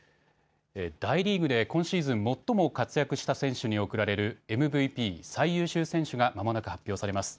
大リーグで今シーズン最も活躍した選手に贈られるＭＶＰ・最優秀選手がまもなく発表されます。